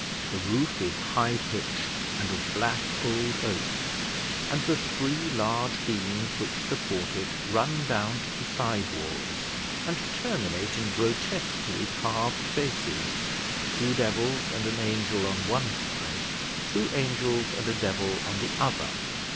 The roof is high pitched, and of black old oak, and the three large beams which support it run down to the side walls, and terminate in grotesquely carved faces, two devils and an angel on one side, two angels and a devil on the other.